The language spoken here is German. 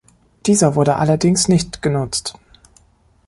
Dieser wurde allerdings nicht genutzt.